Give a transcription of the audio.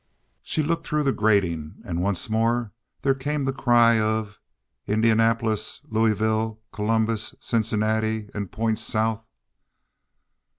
She looked through the grating, and once more there came the cry of "Indianapolis, Louisville, Columbus, Cincinnati, and points South."